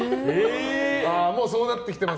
もうそうなってきてます？